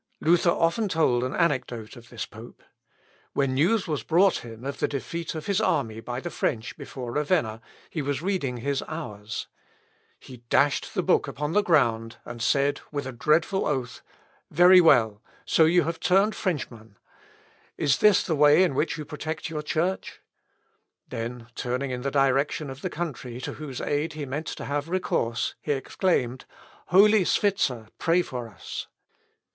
Luther often told an anecdote of this pope. When news was brought him of the defeat of his army by the French before Ravenna, he was reading his Hours. He dashed the book upon the ground, and said, with a dreadful oath, "Very well, so you have turned Frenchman. Is this the way in which you protect your Church?" Then turning in the direction of the country to whose aid he meant to have recourse, he exclaimed, "Holy Switzer, pray for us."